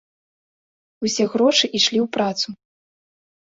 Усе грошы ішлі ў працу.